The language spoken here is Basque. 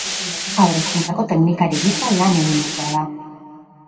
Haur hezkuntzako teknikari gisa lan egindakoa da.